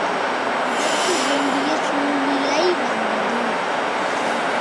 அதற்கு வேண்டிய சூழ்நிலை வந்தது.